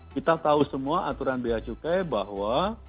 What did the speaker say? kita tahu semua aturan biaya cukai bahwa